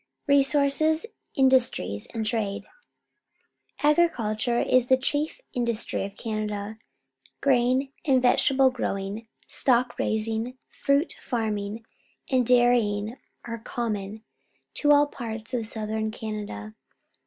Resources, Industries, and Trade. — Agriculture i s the^ chief industry of Canada. Grain and vegetable growing, stock raising, fruit farming, and dairjdng are common to all parts of Southern Canada.